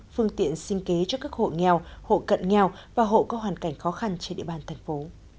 phương tiện sinh kế cho các hộ nghèo hộ cận nghèo và hộ có hoàn cảnh khó khăn trên địa bàn thành phố